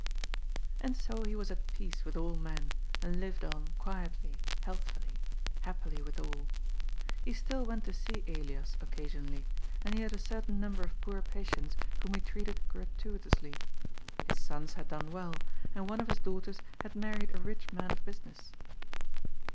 And so he was at peace with all men, and lived on quietly, healthfully, happily withal. He still went to see Elias occasionally, and he hsld a certain number of poor pa tients, whom he treated gratuitously. His sons had done well, and one of his daughters had married a rich man of business.